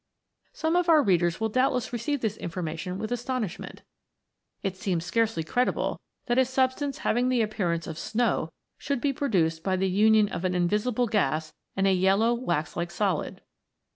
Some of our readers will doubtless receive this information with astonishment. It seems scarcely credible that a substance having the appearance of snow should be produced by the union of an invi sible gas and a yellow wax like solid.